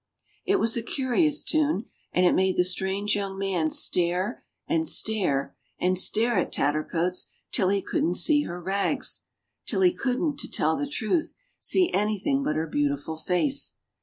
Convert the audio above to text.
It was a curious tune, and it made the strange young man stare and stare and stare at Tattercoats till he couldn't see her rags. Till he couldn't, to tell the truth, see anything but her beautiful face.